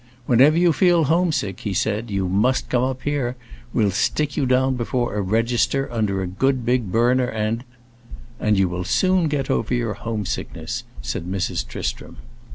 "Whenever you feel homesick," he said, "you must come up here. We'll stick you down before a register, under a good big burner, and—" "And you will soon get over your homesickness," said Mrs. Tristram.